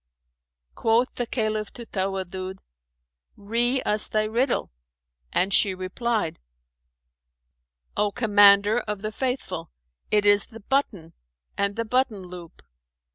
Quoth the Caliph to Tawaddud, "Ree us thy riddle," and she replied, "O Commander of the Faithful, it is the button and the button loop.